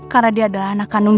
karena dia adalah anak kandung